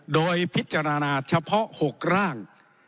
โดยพิจารณาเฉพาะ๖ร่าง